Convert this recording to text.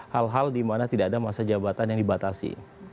hal hal di mana tidak ada masa jabatan yang dibatasi